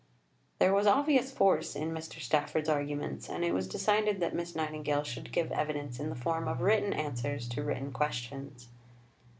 There was obvious force in Mr. Stafford's arguments, and it was decided that Miss Nightingale should give evidence in the form of written answers to written questions.